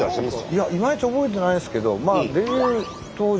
いやいまいち覚えてないですけどデビュー当時。